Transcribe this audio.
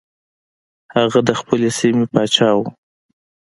هغه د خپلې سیمې پاچا و.